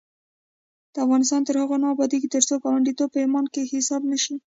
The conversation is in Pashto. افغانستان تر هغو نه ابادیږي، ترڅو ګاونډیتوب په ایمان کې حساب نشي.